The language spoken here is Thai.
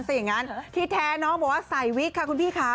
ซึ่งอย่างงั้นที่แท้น้องบอกว่าใส่วิทย์ค่ะคุณพี่ค้า